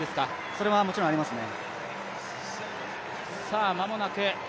それはもちろんありますね。